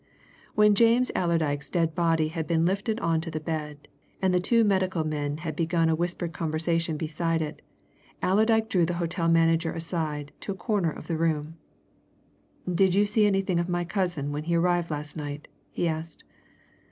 When James Allerdyke's dead body had been lifted on to the bed, and the two medical men had begun a whispered conversation beside it, Allerdyke drew the hotel manager aside to a corner of the room. "Did you see anything of my cousin when he arrived last night?" he asked.